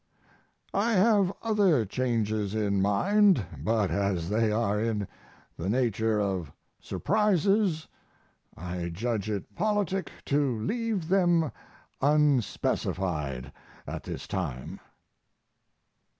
I have other changes in mind, but as they are in the nature of surprises I judge it politic to leave them unspecified at this time.